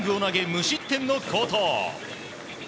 無失点の好投。